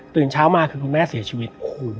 เช้ามาคือคุณแม่เสียชีวิต